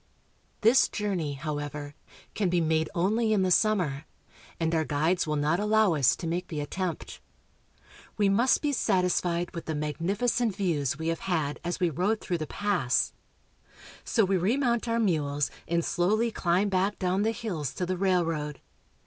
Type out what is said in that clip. This journey, however, can be made only in the sum mer, and our guides will not allow us to make the attempt. We must be satisfied with the magnificent views we have SANTIAGO. 123 had as we rode through the pass. So we remount our mules and slowly climb back down the hills to the railroad.